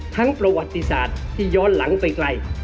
ประวัติศาสตร์ที่ย้อนหลังไปไกล